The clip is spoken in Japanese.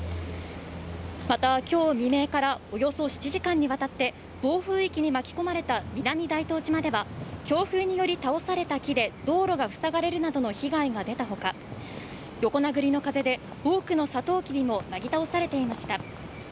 また、今日未明からおよそ７時間にわたって暴風域に巻き込まれた南大東島では、強風により倒された木で道路が塞がれるなどの被害が出たほか、横殴りの風で多くのサトウキビもなぎ倒されていました。